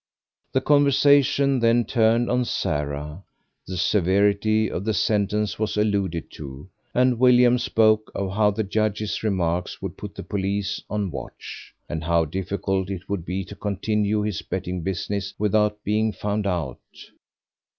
The conversation then turned on Sarah; the severity of the sentence was alluded to, and William spoke of how the judge's remarks would put the police on the watch, and how difficult it would be to continue his betting business without being found out.